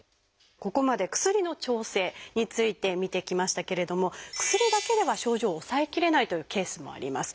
ここまで薬の調整について見てきましたけれども薬だけでは症状を抑えきれないというケースもあります。